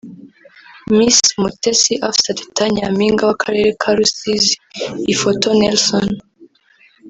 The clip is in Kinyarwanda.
Miss Umutesi Afsa Teta Nyampinga w'Akarere ka Rusizi/Ifoto-Nelson